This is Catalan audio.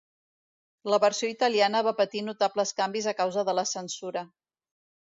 La versió italiana va patir notables canvis a causa de la censura.